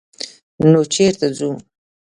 _نو چېرته ځو؟